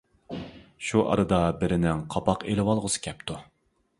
شۇ ئارىدا بىرىنىڭ قاپاق ئېلىۋالغۇسى كەپتۇ.